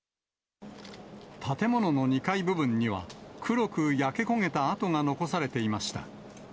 建物の２階部分には、黒く焼け焦げた跡が残されていました。